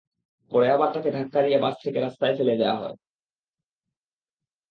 পরে আবার তাঁকে ধাক্কা দিয়ে বাস থেকে রাস্তায় ফেলে দেওয়া হয়।